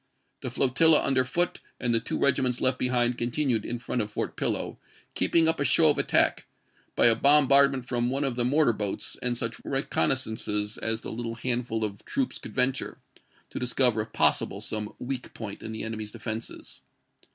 The flotilla under Foote and the two regiments left behind continued in front of Fort Pillow, keeping up a show of attack, by a bom bardment from one of the mortar boats and such reconnaissances as the little handful of troops could venture, to discover if possible some weak point in the enemy's defenses.